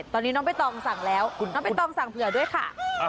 ตอนนี้น้องใบตองสั่งแล้วน้องใบตองสั่งเผื่อด้วยค่ะ